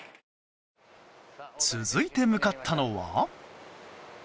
続いて向かったのは。